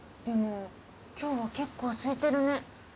でも今日は結構すいてるね。